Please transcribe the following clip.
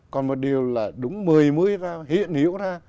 còn một điều là đúng mười mươi ra hiện hiểu ra